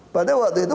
padahal waktu itu